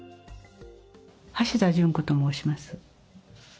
橋田淳子と申します。